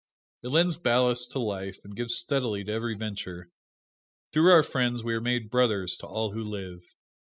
It lends ballast to life, and gives steadily to every venture. Through our friends we are made brothers to all who live.